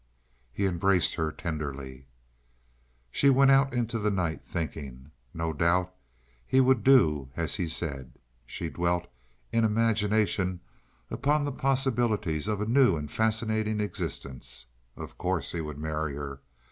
He embraced her tenderly. She went out into the night, thinking. No doubt he would do as he said. She dwelt, in imagination, upon the possibilities of a new and fascinating existence. Of course he would marry her.